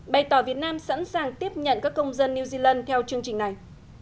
bày tỏ việt nam sẵn sàng tiếp nhận các công dân new zealand theo chương trình này